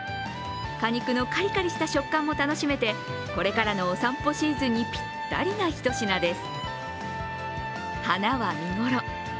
果肉のカリカリした食感も楽しめて、これからのお散歩シーズンにぴったりなひと品です。